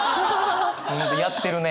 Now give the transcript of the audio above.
やってるね。